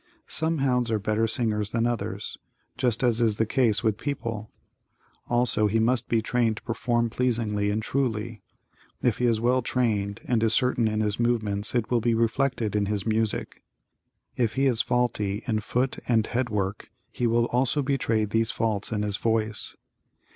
Some hounds are better singers than others, just as is the case with people. Also he must be trained to perform pleasingly and truly. If he is well trained and is certain in his movements it will be reflected in his music. If he is faulty in foot and head work he will also betray these faults in his voice.